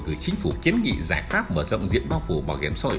gửi chính phủ kiến nghị giải pháp mở rộng diện bao phủ bảo hiểm xã hội